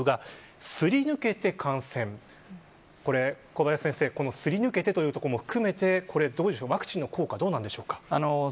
小林先生、すり抜けてというところも含めてワクチンの効果はどうなんでしょうか。